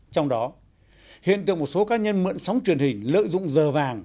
trong đó hiện tượng một số cá nhân mượn sóng truyền hình lợi dụng giờ vàng